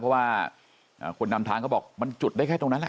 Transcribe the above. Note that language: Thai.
เพราะว่าคนนำทางเขาบอกมันจุดได้แค่ตรงนั้นแหละ